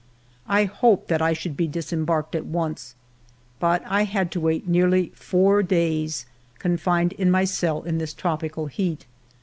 I hoped that I should be disembarked at once. But I had to wait nearly four days, confined in my cell in this tropical heat.